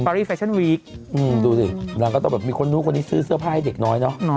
อรี่แฟชั่นวีคดูสินางก็ต้องแบบมีคนนู้นคนนี้ซื้อเสื้อผ้าให้เด็กน้อยเนอะ